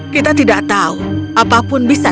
kita tidak tahu apapun bisa